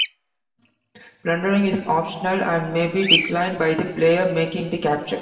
Plundering is optional and may be declined by the player making the capture.